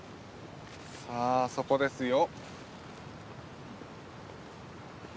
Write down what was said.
さあそこですよ。